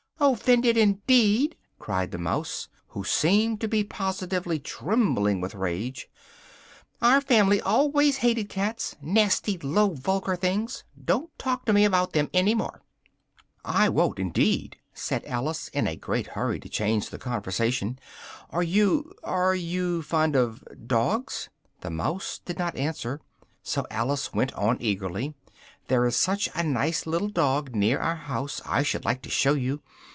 "Offended indeed!" cried the mouse, who seemed to be positively trembling with rage, "our family always hated cats! Nasty, low, vulgar things! Don't talk to me about them any more!" "I won't indeed!" said Alice, in a great hurry to change the conversation, "are you are you fond of dogs?" The mouse did not answer, so Alice went on eagerly: "there is such a nice little dog near our house I should like to show you!